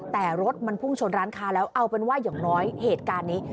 แต่รถมันพุ่งชนร้านค้าแล้วเอาเป็นว่าอย่างน้อยเหตุการณ์นี้